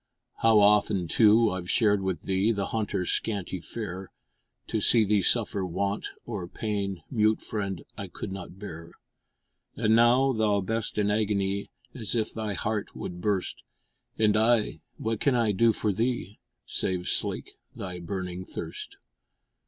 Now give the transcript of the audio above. How often, too, I we shared with thee The hunter's scanty fare. To see thee suffer want or pain, Mute friend I could not bear; And now, thou best in agony, As if thy heart would burst, And I, what can I do for thee, Save slake thy burning thirst?